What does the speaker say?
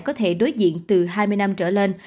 có thể đối diện từ hai mươi năm trở lên